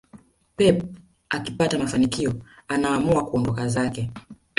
pep akipata mafanikio anaamua kuondoka zake